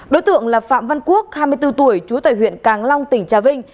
đối tượng là phạm văn quốc hai mươi bốn tuổi trú tại huyện càng long tỉnh trà vinh